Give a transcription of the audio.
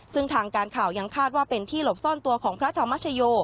ซึ่งทางการข่าวยังคาดว่าเป็นที่หลบซ่อนตัวของพระธรรมชโย